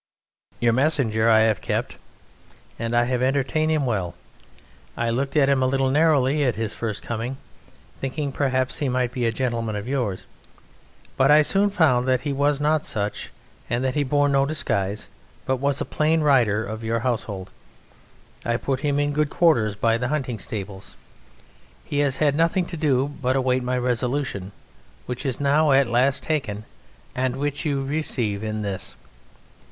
Your messenger I have kept, and I have entertained him well. I looked at him a little narrowly at his first coming, thinking perhaps he might be a gentleman of yours, but I soon found that he was not such, and that he bore no disguise, but was a plain rider of your household. I put him in good quarters by the Hunting Stables. He has had nothing to do but to await my resolution, which is now at last taken, and which you receive in this.